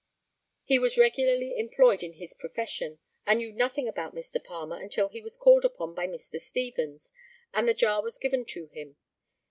He was regularly employed in his profession, and knew nothing about Mr. Palmer until he was called upon by Mr. Stevens, and the jar was given to him.